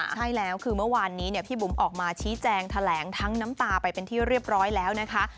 ใช่แล้วคือเมื่อวานนี้พี่บุ๋มออกมาชี้แจงแถลงทั้งน้ำตาไปเป็นที่เรียบร้อยแล้วนะคะ